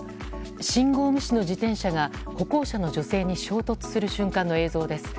信号無視の自転車が歩行者の女性に衝突する瞬間の映像です。